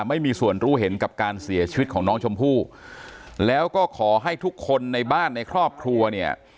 ไม่มีส่วนรู้เห็นกับการเสียชีวิตของน้องชมพู่แล้วก็ขอให้ทุกคนในบ้านในครอบครัวเนี่ย